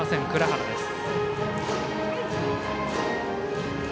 藏原です。